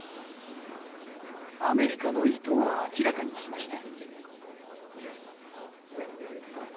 アメリカの意図を明らかにしました。